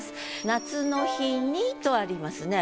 「夏の灯に」とありますね。